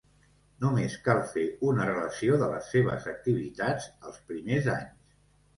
Només cal fer una relació de les seves activitats els primers anys.